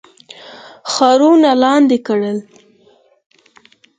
ښارونه لاندي کړل.